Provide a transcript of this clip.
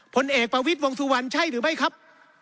ผลเอกประวิทย์วงสุวรรณใช่หรือไม่ครับ